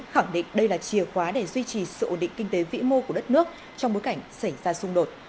khẳng định đây là chìa khóa để duy trì sự ổn định kinh tế vĩ mô của đất nước trong bối cảnh xảy ra xung đột